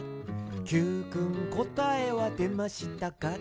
「Ｑくんこたえはでましたか？」